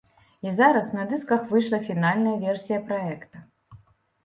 І зараз на дысках выйшла фінальная версія праекта.